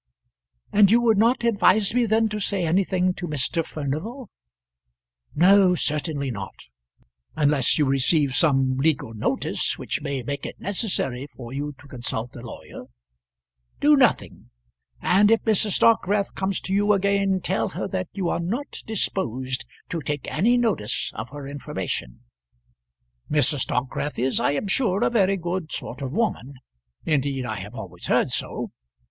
"And you would not advise me then to say anything to Mr. Furnival?" "No; certainly not unless you receive some legal notice which may make it necessary for you to consult a lawyer. Do nothing; and if Mrs. Dockwrath comes to you again, tell her that you are not disposed to take any notice of her information. Mrs. Dockwrath is, I am sure, a very good sort of woman. Indeed I have always heard so.